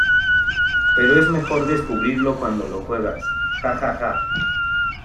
Pero es mejor descubrirlo cuando lo juegas, ¡ja, ja!